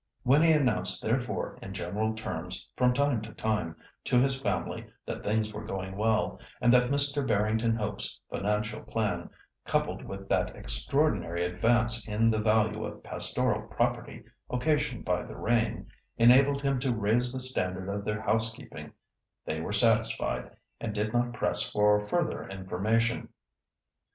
When he announced therefore in general terms, from time to time, to his family that things were going well, and that Mr. Barrington Hope's financial plan, coupled with that extraordinary advance in the value of pastoral property occasioned by the rain, enabled him to raise the standard of their house keeping, they were satisfied, and did not press for further information.